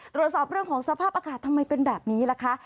ตรวจสอบเรื่องของสภาพอากาศทำไมเป็นแบบนี้ล่ะคะ